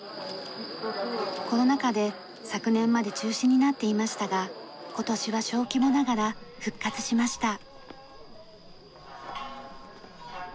コロナ禍で昨年まで中止になっていましたが今年は小規模ながら復活しました。